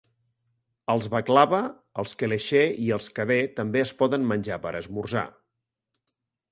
Els baklawa, els kelecheh i els kadeh també es poden menjar per esmorzar.